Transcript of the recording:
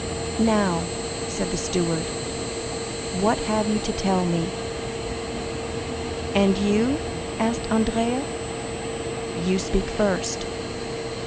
"Now," said the steward, "what have you to tell me?" "And you?" said Andrea. "You speak first."